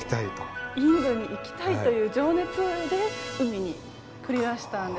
インドに行きたいという情熱で海に繰り出したんですよね。